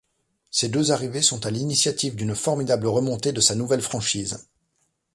Ces deux arrivées sont à l'initiative d'une formidable remontée de sa nouvelle franchise.